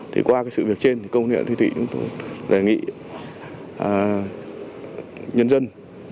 thì qua cái sự việc trên công huyện thái thủy chúng tôi đề nghị nhân dân